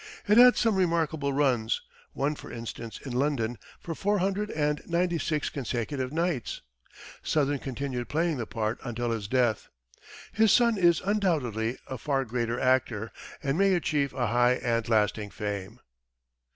It had some remarkable runs, one, for instance, in London, for four hundred and ninety six consecutive nights. Sothern continued playing the part until his death. His son is undoubtedly a far greater actor, and may achieve a high and lasting fame.